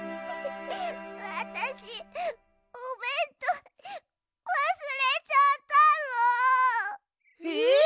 あたしおべんとうわすれちゃったの。え！？